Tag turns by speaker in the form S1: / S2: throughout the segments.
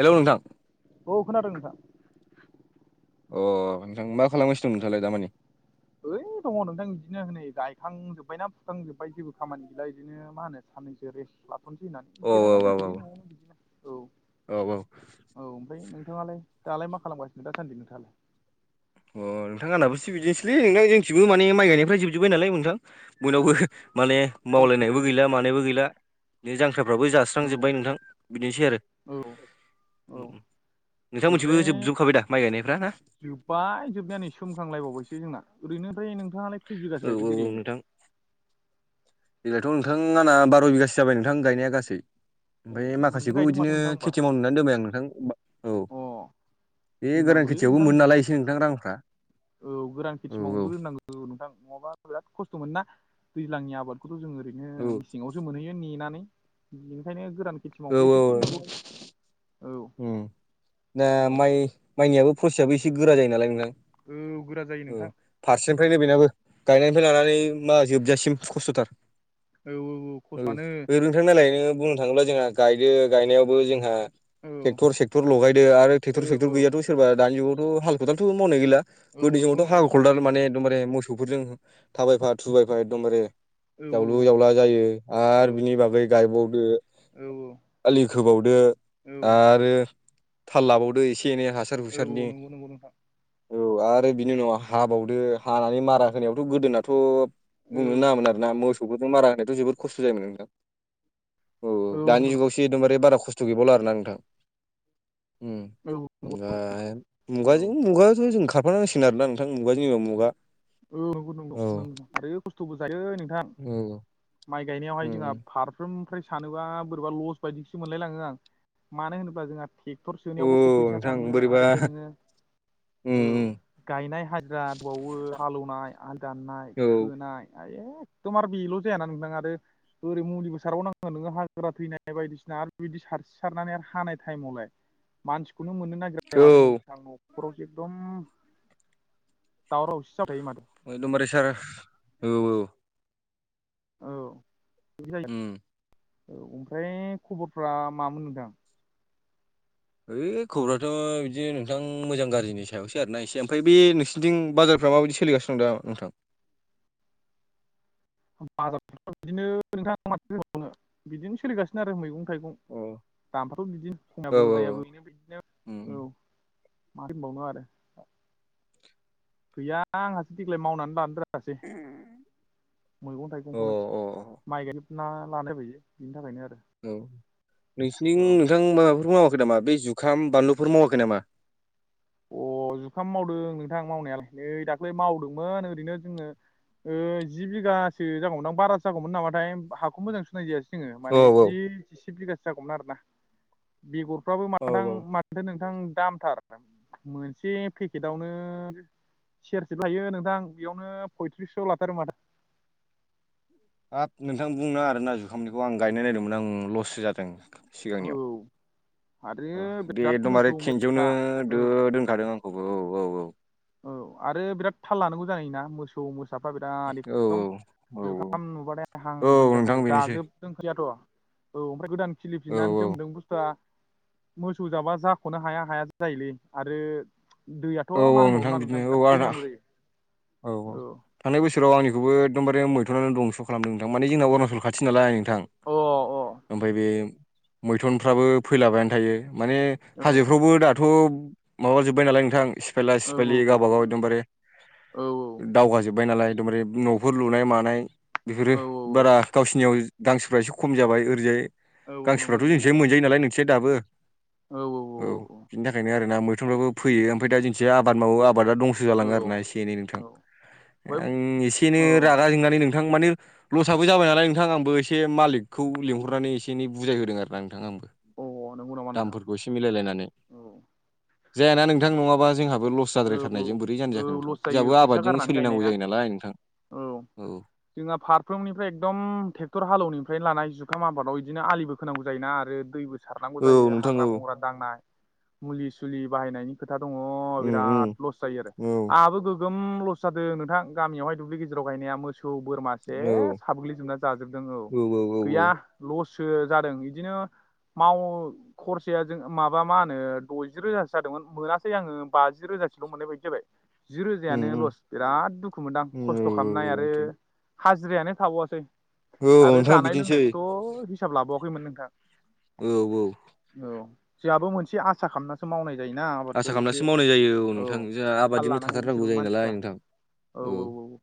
S1: हेल' नोंथां।
S2: औ खोनादों नोंथां।
S1: अ नोंथां मा खालामगासिनो दं नोंथाङालाय दामानि?
S2: ओइ दङ नोंथां बिदिनो नै गायखांजोब्बाय ना फुखांजोब्बाय जेबो खामानि गैला बिदिनो मा होनो साननैसो रेस्ट लाथ'नोसै होननानै
S1: औ
S2: जिरायना
S1: औ औ
S2: दंथ'यो न'आवनो बिदिनो औ।
S1: औ औ
S2: औ ओमफ्राय नोंथाङालाय दालाय मा खालामगासिनो दासान्दि नोंथाङालाय?
S1: अ नोंथां आंनाबो सि बिदिनोसैलै नोंथां जोंनिथिंबो माने माइ गायनायफ्रा जोबजोब्बाय नालाय नोंथां बयनावबो। माने मावलायनायबो गैला मानायबो गैला बे जांख्राफ्राबो जासै स्रां जोब्बाय नोंथां बिदिनोसै आरो।
S2: औ औ
S1: उम उम नोंथांमोननिथिंबो
S2: ओमफ्राय
S1: जोबजोबखाबाय दा माइ गायनायफ्रा ना?
S2: जोब्बाय जोबनायानो नै सोमखांलायबावबायसो जोंना ओरैनो ओमफ्राय नोंथाङालाय खै बिगासो
S1: औ
S2: गायखो
S1: औ औ
S2: देग्लायलाय
S1: नोंथां। देग्लायथ नोंथां आंना‌ बार' बिगासो जाबाय नोंथां गायनाया गासै।
S2: अ
S1: ओमफ्राय
S2: बुरजा
S1: माखासेखौ
S2: गायदों माथो
S1: इदिनो
S2: नोंथां होमबा
S1: खेथि मावनो होननानै दोनबाय आं नोंथां औ।
S2: अ
S1: बे गोरान
S2: दोननांगौलै
S1: खेथियावबो
S2: नोंथां
S1: मोनो
S2: बिदिनो
S1: नालाय एसे नोंथां रांफ्रा
S2: गोरान खेथि
S1: औ
S2: मावनोबो
S1: औ।
S2: औ रोंनांगौ नोंथां नङाबा बिराद खस्थ मोनो ना दैज्लांनि आबादखौथ जों ओरैनो
S1: औ
S2: मेसेङाव सो मोनहैयो नेनानै बेनिखायनो गोरान खेथि
S1: औ
S2: मावनोबो
S1: औ
S2: एसे
S1: औ
S2: दोननांगौ औ।
S1: दा
S2: औ
S1: माइ माइनियाबो प्रसेसआबो एसे गोरा जायो नालाय नोंथां।
S2: औ गोरा जायो
S1: औ
S2: नोंथां।
S1: फारसेनिफ्रायनो बेनाबो गायनायनिफ्राय लानानै मा जोबजासिम खस्थथार।
S2: औ औ
S1: औ
S2: खस्थ'आनो
S1: [unintelligible] नायलाय नोङो बुंनो थाङोब जोंहा गायदो गायनायावबो जोंहा
S2: औ
S1: ट्रेक्टर सेक्टर लगायदो आरो
S2: औ
S1: टेक्टर सेक्टर
S2: औ
S1: गैयैआथ' सोरबा दानि जुगावथ' हाल खदालजों मावनाय गैला।
S2: औ
S1: गोदो
S2: नंगौ
S1: समावथ
S2: नंगौ नोंथां
S1: हाल-खदाल माने एखदमबारे मोसौफोरजों थाबायफा थुबायफा एकदमबारे
S2: औ
S1: जावलु जावला जायो
S2: औ
S1: आरो
S2: औ
S1: बिनि बागै गायबावदो।
S2: औ औ
S1: आलि खोबावदो आरो थाल लाबावदो एसे एनै हासार
S2: औ औ
S1: हुसारनि
S2: नंगौ नंगौ नोंथां
S1: औ आरो बिनि उनाव हाबावदो हानानै मारा होनायावथ गोदोनाथ
S2: औ
S1: बुंनो नाङामोन आर ना मोसौफोरजों मारा होनायथ जोबोद खस्थ जायोमोन नोंथां औ दानि जुगावसो एकदमबारे बारा खस्थ गैबावला आरोना नोंथां उम
S2: औ
S1: ओ मुगाजों मुगाथ जों खारफानांसिगोन आरोना नोंथां मुगाजों जेनबा मुगा
S2: औ नंगौ
S1: औ
S2: नंगौ नं आरो खस्थबो जायो नोंथां
S1: औ
S2: माइ
S1: औ
S2: गायनायावहाय जोंहा फार फ्रोमनिफ्राय सानोबा बोरैबा लस बायदिसो मोनलाय लाङो आं मानो होनोबा जोंहा टेक क्टर सोनायावबो फैसा
S1: नोंथां
S2: थाङो
S1: बोरैबा
S2: आरो नोङो
S1: उम
S2: औ
S1: उम
S2: गायनाय हाजिरा दं बावो हालेवनाय दाननाय
S1: औ
S2: खोनाय एखदम आरो बेल जायाना नोंथां आरो ओरै मुलिबो सारबावनांगोन नोङो हागा थैनाय बायदिसिना आरो बिदि सारसि सारनानै आरो हानाय टाइमावलाय मानसिखौनो मोननो नागिरा जाया माथो
S1: औ
S2: नोंथां नखरावसो एकदम दावराव दावसि जाबाय थायो माथो
S1: एखदमबारे सार औ औ
S2: औ औ
S1: उम
S2: ओमफ्राय खबरफ्रा मामोन नोंथां
S1: ओइ खबरथ बिदिनो नोंथां मोजां गाज्रिनि सायावसै आर ना एसे ओमफ्राय बे नोंसिनिथिं बाजारफ्रा माबायदि सोलिगासिनो सोंद नोंथां
S2: बाजार बिदिनो नोंथां माथो होनबावनो बिदिनो सोलिगासिनो आरो मैगं थाइगं
S1: अ
S2: दामफ्राथ बिदिनो
S1: औ
S2: खमाबो
S1: औ
S2: बायाबो बि बिदिनो
S1: उम उम
S2: औ मा होनबावनो आरो गैया आंहासो देग्लाय मावनानै [unintelligible] सासे मैगं
S1: अ
S2: थाइगंखौनो
S1: अ
S2: माइ गायनो ना लानाय बैयो बिनि थाखायनो आरो
S1: औ नोंसिनि
S2: औ
S1: नोंथां माबाफोर मावाखै नामा बे जुखाम बानलुफोर मावाखै नामा
S2: अ जुखाम मावदों नोंथां मावनायालाय नै दाख्लै मावदोंमोन ओरैनो जोङो ओ जि बिगासो जागौमोन आं बारा जागौमोन नामाथाय हाखौ मोजां सुनाय जायासै जोङो
S1: औ
S2: माने
S1: औ
S2: जि बिगा जागौमोन आरोना बेगरफ्राबो
S1: औ
S2: मादां
S1: औ
S2: माथ नोंथां दामथार मोनसे पेकेटआवनो सेरसेबो लायो नोंथां बेयावनो पयथ्रिस स' लाथारो माथो
S1: हाब नोंथां बुंनो आरो ना जुखामनिखौ आं गायनाय नायदोंमोन आं लससो जादों
S2: औ आरो
S1: सिगांनियाव अ दे
S2: बिराद मोसौ
S1: एदमबारै खेनसेयावनो
S2: मोसा
S1: दो
S2: औ
S1: दोनखादों आं औ औ-औ-औ
S2: औ आरो बिराद थाल लानांगौ जायोना मोसौ सौ मोसाफ्रा बिराद
S1: औ
S2: एखदम
S1: औ
S2: जुखाम नुबानायथाय हां
S1: औ
S2: हां
S1: औ नोंथां
S2: जाथारो
S1: बेनोसै
S2: जाजोबबो जोंखै जाथ' औ ओमफ्राय गोदान
S1: औ
S2: खिलिफिननानै
S1: औ
S2: जों बुस्थुआ मोसौ जाबा जाख'नो हाया हाया जायोलै आरो दैयाथ'
S1: औ औ
S2: मा होनबाव
S1: नोंथां बिदिनो
S2: थां
S1: औ
S2: बेराद दै
S1: आंना
S2: नांगौ जायो।
S1: औ औ थांनाय बोसाव आंनिखौबो एकदबे मैथ'नानै दंस' खालामदों माने जोंनावबो अरुणाचल खाथि नालाय नोंथां
S2: अ
S1: ओमफाय बे मैथनफ्राबो फैलाबायानो थायो माने
S2: अ औ
S1: हाजोफ्रावबो दाथ' माबाजोब्बाय नालाय नोंथां सिफायला
S2: औ
S1: सिफायलि गावबागाव एकदमबारे
S2: औ औ
S1: दावगा जोबबाय नालाय एदमबारे न'फोर लुनाय मानाय बेफोरो
S2: औ औ औ
S1: बारा गावसिनियाव गांसोफ्रा एसे खम जाबाय ओरैजाय
S2: औ नंगौ
S1: गांसोफ्राथ'
S2: नंगौ
S1: जोंनिजाय
S2: नोंथां
S1: मोनजायो नालाय नोंसोर दाबो।
S2: औ औ।
S1: औ बिनि थाखायनो आरो ना मैथुनफ्राबो फैयो ओमफ्राय दा जोंनिखै आबाद मावो आबादा दंस' जालाङो आरोना एसे सेनै- नोंथां आं एसेनो
S2: औ
S1: रागा जोंनानै नोंथां माने लसआबो जाबाय नालाय नोंथां आंबो एसे मालिकखौ लिंहरनानै एसे एनै बुजाय होदों आरो ना नोंथां आंबो।
S2: औ औ नंगौ नामा नोंथां
S1: दामफोरखौ एसे मिलायलायनानै
S2: औ
S1: जायाना नोंथां नङाबा जोंहाबो लस
S2: औ औ
S1: जाद्रायथारनायजों बोरै जानो
S2: औ
S1: जाखो नोंथां।
S2: लस जायो
S1: जाबो
S2: फैसा
S1: आबादजों
S2: गारनानै गायनाय
S1: सोलिनांगौ
S2: ना
S1: जायो नालाय नोंथां औ।
S2: जोंहा फारफ्रोमनिफ्राय एकदम ट्रेक्टर हालेवनिफ्रायनो लानाय जुखाम आबादाव बिदिनो आलिबो खोनांगौ जायोना आरो दैबो सारनांगौ
S1: औ
S2: जायो
S1: नोंथां
S2: हाग्रा
S1: औ
S2: बंग्रा दांनाय मुलि सुलि बाहायनायनि खोथा दङ
S1: उम उम
S2: बिराद लस जायो आरो
S1: औ
S2: आंहाबो गोगोम लस जादों नोंथां गामियावहाय दुब्लि गेजेराव गायनाया मोसौ खौ बोरमा
S1: औ
S2: सेस हाबग्लिजोबना जाजोबदों औ गैया लससो जादों इदिनो माव खरसाया जों माबा मा होनो दजि रोजासो जादोंमोन मोनासै आङो बाजि रोजासोल' मोननाय बायदि जाबाय जि
S1: उम
S2: रोजायानो
S1: उम
S2: लस बिराद दुखु मोनदां
S1: उम औ
S2: खस्थ' खामनाय
S1: औ
S2: आरो
S1: नोंथां
S2: हाजिरायानो थाबावासै
S1: औ
S2: आरो
S1: नोंथां
S2: जानाय
S1: बिदिनोसै
S2: लोंनायखौथ' हिस -साब लाबावाखैमोन नोंथां।
S1: औ औ।
S2: औ जोंहाबो मोनसे आसा खालामनासो मावनाय जायोना। आबादखौ
S1: आसा
S2: एसे
S1: खामनासो मावनाय जायो औ नोंथां जोंहा
S2: थाल
S1: आबादजोंनो
S2: लानांगौ
S1: थाथारनांगौ
S2: बिसोरबो
S1: जायो नालाय
S2: मानसिफ्रा
S1: नोंथां औ।
S2: औ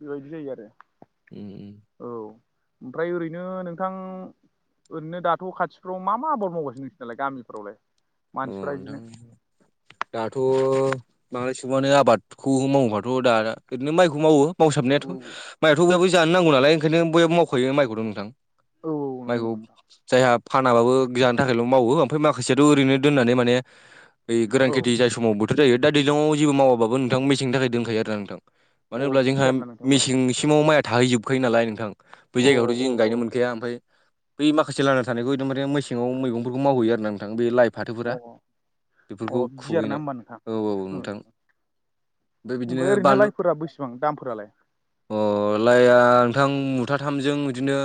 S2: बेबायदि जायो आरो।
S1: उम
S2: औ ओमफ्राय ओरैनो नोंथां। ओरैनो दाथ' खाथिफ्राव मा मा आबाद मावगासिनो नोंसोरनालाय गामिफ्रावलाय
S1: अ
S2: मानसिफ्रा
S1: नोंथां।
S2: इदिनो
S1: दाथ' बांद्राय सुबुङानो आबादखौ मावोबाथ' दा ओरैनो माइखौ मावो। मावसाबनायाथ'
S2: औ
S1: माइयाथ' बहाबो जानो नांगौ नालाय ओंखायनो बयहाबो मावखायो माइखौथ' नोंथां।
S2: औ औ नंगौ
S1: माइखौ
S2: नंगौ नोंथां
S1: जायहा फानाबाबो जानो थाखायल' मावो ओमफ्राय माखासेयाथ' ओरैनो। दोननानै माने बै गोरान
S2: औ
S1: खेथि जायै समावबो जायो दा दैज्लाङाव जेबो मावाबो नोंथां मेसेंनि थाखाय दोनखायो आरोना नोंथां। मानो
S2: अ
S1: होनोब्ला
S2: बिदिसो
S1: जोंहा
S2: आरोना नोंथां होमबा
S1: मेसेंसिमाव माइया थाहैजोबखायो नालाय नोंथां। बै
S2: अ
S1: जायगायावथ'
S2: अ
S1: जों
S2: अ
S1: गायनो मोनखाया ओमफ्राय बै माखासे लाना थानायखौ एकदमारे मेसेङाव मैगंफोरखौ मावहैयो आरोना नोंथां बे लाइ फाथोफोरा
S2: अ
S1: बेफोरखौ
S2: अ बिदि आरोना
S1: खुबैनाय
S2: होमबा नोंथां
S1: औ औ नोंथां। बिदिनो
S2: ओमफ्राय ओरैनो
S1: बानलु
S2: लाइफोरा बेसेबां दामफोरालाय?
S1: अ लाइया नोंथां मुथाथामजों बिदिनो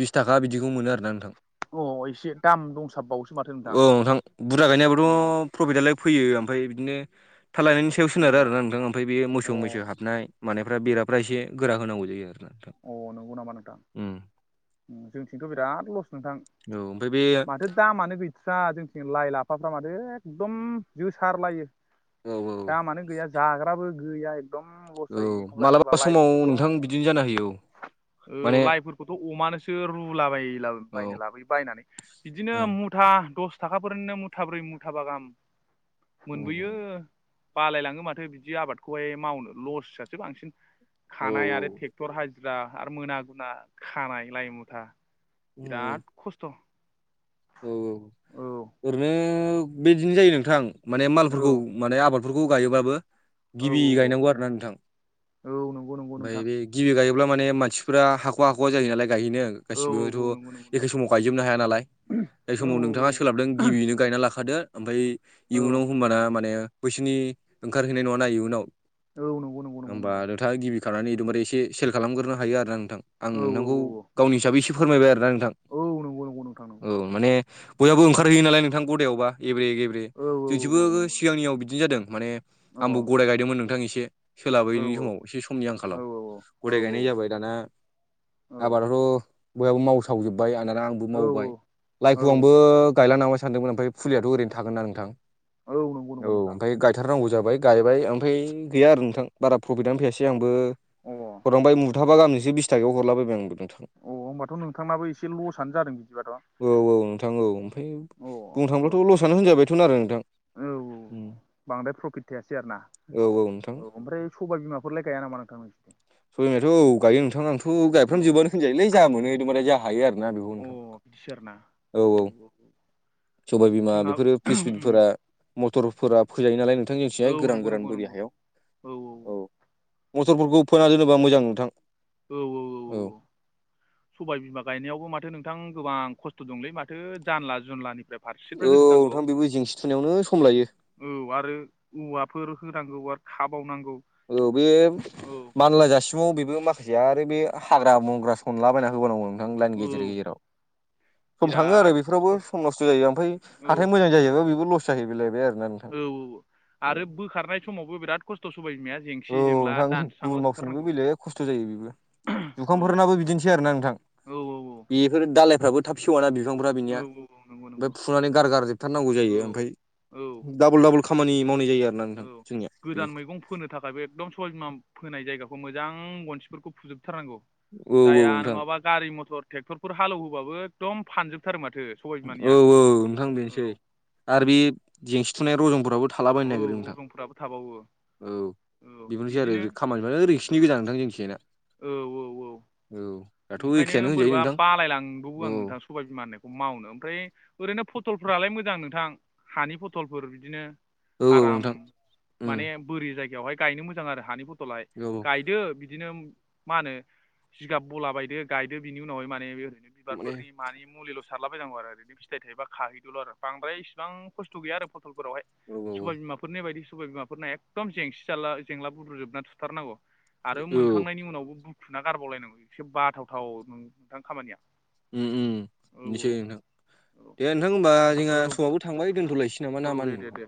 S1: बिस थाखा बिदिखौ मोन आरोना नोंथां।
S2: अ एसे दाम दंसाबबावोसो माथो नोंथां
S1: औ नोंथां बुरजा
S2: अ
S1: गायनायाबोथ' प्रफिटदालाय फैयो आफ्राय बिदिनो थाल्लानायनि सा सायाव सोनारो
S2: अ
S1: आरोना नोंथां ओमफाय बे मोसौ
S2: अ
S1: मैसो हाबनाय मानायफ्रा बेराफ्रा एसे गोरा होनांगौ जायो आरोना नोंथां।
S2: अ नंगौ नामा नोंथां।
S1: उम
S2: उम्म जोंथिंथ' बिराद लस नोंथां
S1: औ ओमफ्राय बे
S2: माथो दामानो गै थ्रा जोंनिथिं लाइ लाफाफ्रा माथो एकदम जोसारलायो
S1: औ औ
S2: दामानो गैया जाग्राबो गैया एकदम लस
S1: औ
S2: जायो एखमब्ला
S1: मालाबा
S2: एखमब्ला
S1: समाव नोंथां
S2: लाइफोरखौथ'
S1: बिदिनो जाना होयो औ
S2: औ
S1: माने
S2: लाइफोरखौथ' अमानोसो रुलाबायला
S1: औ
S2: बायनो लाबोयो बायनानै बिदिनो
S1: औ
S2: मु मुथा दसथाखाफोरनिनो मुथाब्रै मुथाबा गाहाम मोनबोयो बालायलाङो माथो बिदि आबादखौहाय मावनो लस आसो बांसिन खानाय आरो
S1: औ
S2: थेख थर हाजिरा आरो मोना गुना खानाय लाइ मुथा
S1: औ
S2: बिराद खस्थ'
S1: औ औ
S2: औ
S1: ओरैनो बिदिनो जायो नोंथां माने
S2: औ
S1: मालफोरखौ माने आबादफोरखौ गायोबाबो
S2: औ
S1: गिबि
S2: औ
S1: गायनांगौ आरोना नोंथां
S2: औ नंगौ नंगौ
S1: ओमफाय
S2: नोंथां
S1: बे गिबि गायोब्ला माने मानसिफोरा हाख'वा हाख'वा जाहैयो नालाय गायहैनो
S2: औ
S1: गासिबोथ'
S2: औ नंगौ नंगौ
S1: एखे
S2: नोंथां
S1: समाव गायजोबनो हाया नालाय। जाय
S2: औ
S1: समाव
S2: औ
S1: नोंथाङा सोलाबदों गिबियैनो गायना लाखादो ओमफाय
S2: औ
S1: इयुनाव होमबाना मान बैसिनि ओंखारहैनाय नङा ना इयुनाव
S2: औ नोंगौ नोंगौ।
S1: होमबा नोंथाङा गिबि खानानै एकदबारे एसे सेल खालामग्रोनो हायो आरोना नोंथां आं
S2: औ औ
S1: नोंथांखौ
S2: औ
S1: गावनि हिसाबै [unintelligible] फोरमायबाय आरोना नोंथां।
S2: औ नोंगौ नोंगौ नोंथां। नंगौ
S1: औ माने बयहाबो ओंखारहैयो नालाय नोंथां गदायावबा एब्रे गेब्रे
S2: औ
S1: जों
S2: औ औ नंगौ
S1: [unintelligible]
S2: नंगौ
S1: सिगांनियाव बिदिनो जादों माने
S2: औ
S1: आंबो गदाय गायदोंमोन नोंथां एसे।
S2: औ
S1: सोलाबैनि समाव एसे समनि आंखाल
S2: औ औ
S1: गदाय गायनाय जाबाय दाना आबादाथ' बयहाबो मावसावजोबबाय [unintelligible] आंबो मावबाय।
S2: औ
S1: [unintelligible] आंबो गायला नांबाय सानदोंमोन ओमफाय फुलियाथ' ओरैनो थागोन ना नोंथां
S2: औ नंगौ नंगौ
S1: औ
S2: नोंथां
S1: ओंखायनो गाय थारनांगौ जाबाय गायबाय ओमफाय गैया आरो नोंथां बारा प्रफिटआनो फैयासै आंबो
S2: अ
S1: हरनांबाय मुथाबा गामजोंसो बिस थाखायाव हरला बाय बाय आंबो नोंथां।
S2: अ होमबाथ' नोंथांनाबो एसे लसआनो जादों बिदिबाथ'।
S1: औ औ नोंथां औ ओमफ्राय
S2: औ
S1: बुंनो
S2: औ
S1: थांब्लाथ' लसआनो होनजाबायथ' आरो नोंथां।
S2: औ बांद्राय प्रफिट थायासै आरो ना
S1: औ नोंथां
S2: औ ओमफ्राय सबाय बिमाफोरलाय गाया नामा नोंथां?
S1: [unintelligible] औ गायो नोंथां आंथ' गायफ्राम
S2: औ
S1: जोबोआनो होनजायोलै जा मोनो [unintelligible] जा हायो आरोना [unintelligible]
S2: अ बिदिसो आरोना
S1: औ औ। सबायबिमा
S2: जोंहा
S1: बेफोरो फ्रिसबिनफोरा मटरफोरा फोजायो नालाय
S2: औ
S1: [unintelligible] गोरान
S2: नंगौ
S1: गोरान
S2: नंगौ
S1: बोरि
S2: नंगौ
S1: हायाव औ मथरफोरखौ [unintelligible] मोजां नोंथां
S2: औ औ औ औ। सबाय बिमा गायनायावबो माथो नोंथां गोबां खस्थ' दंलै माथो जानला जुनलानिफ्राय फारसेनिफ्राय
S1: औ
S2: होजोबनांगौ
S1: नोंथां बेबो जेंसि थुनायावनो सम लायो।
S2: औ आरो औवाफोर होनांगौ आरो खाबावनांगौ।
S1: औ बे
S2: औ
S1: मानला जासि [unintelligible] बेबो माखासेया आरो बे हाग्रा बंग्रा सनला बायना होबावनांगौ नोंथां लाइन गेजेर
S2: औ
S1: गेजेराव। सम थाङो आरो
S2: बिराद
S1: बेफोरावबो
S2: खस्थ' औ
S1: सम नस्थ' जायो ओमफाय हाथाय मोजां [unintelligible] आरोना [unintelligible]
S2: औ औ आरो बोखारनाय समावबो बेराद खस्थ' साबाय बिमाया।
S1: औ
S2: जेंसि जेंला
S1: नोंथां
S2: दानस्रांला
S1: गुबुन मावफिननोबो
S2: जोबथारनांगौ
S1: बेलेग खस्थ' जायो बेबो।
S2: औ
S1: जुखामफोरनाबो बिदिनोसै आरोना नोंथां
S2: औ
S1: बे बेफोर दालायफ्राबो थाब सेवाना बिफांफ्रा
S2: औ
S1: बिनिया
S2: औ नंगौ
S1: ओमफाय
S2: नंगौ
S1: फुनानै गारगारजोब थारनांगौ
S2: औ
S1: जायो ओमफाय
S2: औ
S1: दाबल दाबल खामानि मावनाय जायो आरोना
S2: औ
S1: नोंथां जोंनिया
S2: गोदान
S1: बेनो।
S2: मैगं फोनो थाखायबो एकदम सबायबिमा फोनाय जायगाखौ मोजां गनसिफोरखौ फुजोबथारनांगौ।
S1: औ औ
S2: जाया
S1: नोंथां
S2: नङाबा गारि मथर ट्रेक्टरफोर हालौवहोबाबो एकदम फानजोबथारो माथो। सबाय बिमानिया
S1: औ औ नोंथां बेनोसै
S2: औ
S1: आरो बे जेंसि थुनाय रजनफोराबो
S2: औ रजंफोराबो थाबावो।
S1: औ
S2: औ
S1: बेबोनोसै
S2: बिदिनो
S1: [unintelligible] खामानिफ्रानो [unintelligible]
S2: औ
S1: नोंथां जोंनिथिजायना।
S2: औ औ औ।
S1: औ। दाथ' एखेयानो
S2: ओंखायनो
S1: होनजायो
S2: बोरैबा
S1: नोंथां
S2: बालायलांबावो
S1: औ
S2: आं [unintelligible] सबाय बिमान होनखौ मावनो ओमफ्राय ओरैनो फटलफ्रालाय मोजां नोंथां। हानि फथलफोर बिदिनो
S1: औ औ
S2: आराम
S1: नोंथां उम
S2: माने बोरि जायगायावहाय गायनो मोजां आरो हानि [unintelligible] [unintelligible]
S1: औ
S2: गायदो बिदिनो मा होनो जिगाब बला बायदो गायदो बिनि उनावहाय माने ओरैनो
S1: माने
S2: बिबारफोरनि मानि मुलिल' सारलाबायनांगौ आरो ओरैनो फिथाइ थायोबा खाहैदोल' आरो बांद्राय इसेबां खस्थ' गैया आरो फटलफोरावहाय।
S1: औ औ
S2: सबाय बिमाफोरनि बायदि सबाय बिमाफोरना एकदम जेंसि जाला जेंला बुद्रुजोबना थुथारनांगौ। आरो
S1: औ
S2: मोनखांनायनि उनावबो बुखुना गारबावलायनांगौ एसे बाथावथाव नोंथां खामानिया
S1: उम उम
S2: औ
S1: इनोसै नोंथां
S2: औ
S1: दे नोंथां होनोमबा जोंहा
S2: औ
S1: समाबो थांबाय दोनथलायसै नामा
S2: औ दे दे दे
S1: नामाहोनो